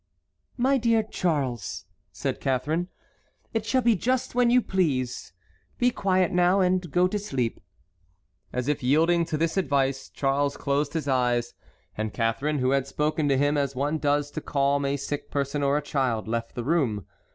"My dear Charles," said Catharine, "it shall be just when you please. Be quiet now and go to sleep." As if yielding to this advice Charles closed his eyes; and Catharine, who had spoken to him as one does to calm a sick person or a child, left the room.